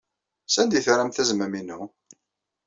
Sanda ay terramt azmam-inu?